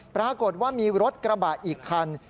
ปรากฏว่ามีรถกระบะอีกคัน